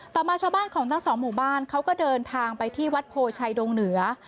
ต่อมาชาวบ้านของทั้งสองหมู่บ้านเขาก็เดินทางไปที่วัดโพชัยดงเหนือ